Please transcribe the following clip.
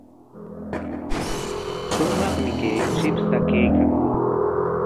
Shumaqmi kay chipsha kaykan.